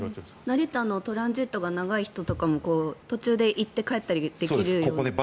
成田のトランジットが長い人とかも途中で行って帰ったりできるように。